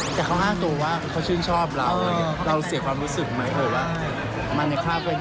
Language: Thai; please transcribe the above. อีกตัวว่าน่ะคือเป็นคำที่เราระแวงมากกว่า